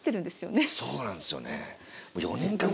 そうなんですよね。